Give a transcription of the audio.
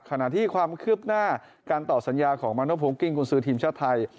ขณะที่ความคืบหน้าการต่อสัญญาของมาโนโพลกิ้งกุญสือทีมชาติไทย